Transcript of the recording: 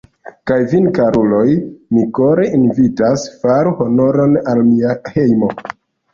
Kaj vin, karuloj, mi kore invitas, faru honoron al mia hejmo!